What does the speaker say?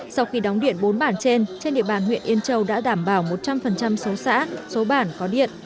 sau khi đóng điện bốn bản trên trên địa bàn huyện yên châu đã đảm bảo một trăm linh số xã số bản có điện